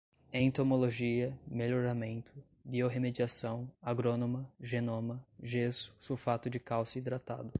entomologia, melhoramento, biorremediação, agrônoma, genoma, gesso, sulfato de cálcio hidratado